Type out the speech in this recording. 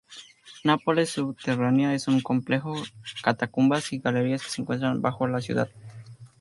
Nápoles subterránea es un complejo catacumbas y galerías que se encuentran bajo la ciudad.